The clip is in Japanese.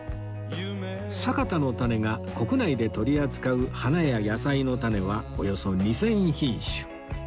サカタのタネが国内で取り扱う花や野菜のタネはおよそ２０００品種